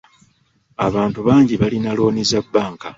Abantu bangi balina looni za bbanka.